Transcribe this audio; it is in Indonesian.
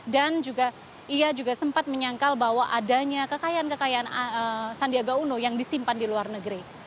dan juga ia juga sempat menyangkal bahwa adanya kekayaan kekayaan sandiaga uno yang disimpan di luar negeri